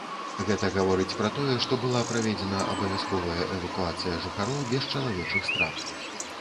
Гэта гаворыць пра тое, што была праведзена абавязковая эвакуацыя жыхароў без чалавечых страт.